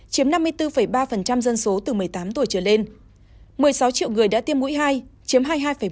chiếm năm mươi bốn ba dân số từ một mươi tám tuổi trở lên một mươi sáu triệu người đã tiêm mũi hai chiếm hai mươi hai một